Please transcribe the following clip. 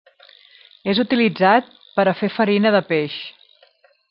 És utilitzat per a fer farina de peix.